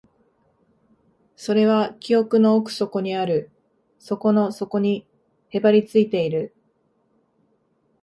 それは記憶の奥底にある、底の底にへばりついている